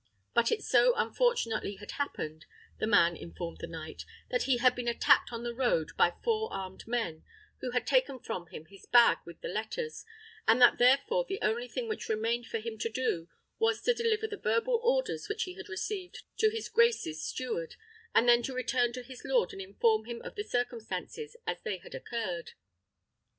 But it so unfortunately had happened, the man informed the knight, that he had been attacked on the road by four armed men, who had taken from him his bag with the letters, and that therefore the only thing which remained for him to do was to deliver the verbal orders which he had received to his grace's steward, and then to return to his lord and inform him of the circumstances as they had occurred.